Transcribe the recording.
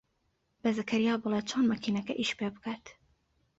بە زەکەریا بڵێ چۆن مەکینەکە ئیش پێ بکات.